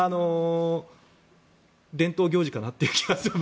伝統行事かなという気が。